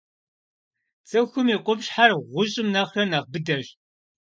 Цӏыхум и къупщхьэр гъущӀым нэхърэ нэхъ быдэщ.